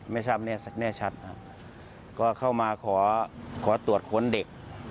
ไม่ทราบแน่สักแน่ชัดครับก็เข้ามาขอขอตรวจค้นเด็ก